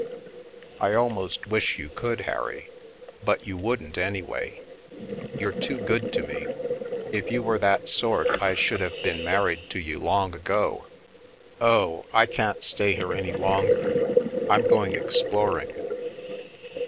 " I almost wish you could, Harry, but you wouldn't, anyway. You're too good to me. If you were that sort, I should have been married to you long ago ! Oh 1 I can't stay here any longer, I'm going exploring."